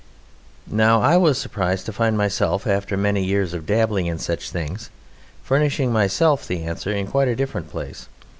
Now I was surprised to find myself after many years of dabbling in such things, furnishing myself the answer in quite a different place.